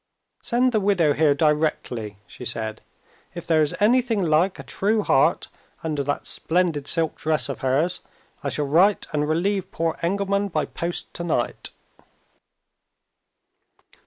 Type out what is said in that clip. "Send the widow here directly," she said. "If there is anything like a true heart under that splendid silk dress of hers, I shall write and relieve poor Engelman by to night's post."